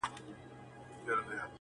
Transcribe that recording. اوس مي له هري لاري پښه ماته ده.